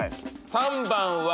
３番は。